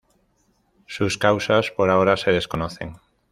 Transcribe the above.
Sus causas por ahora se desconocen.